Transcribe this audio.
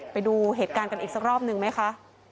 ไปดูเหตุการณ์กันอีกสักรอบหนึ่งไหมคะ